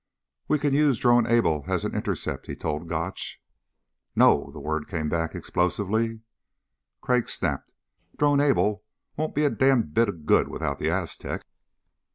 "We can use Drone Able as an intercept," he told Gotch. "No!" The word came explosively. Crag snapped, "Drone Able won't be a damn bit of good without the Aztec."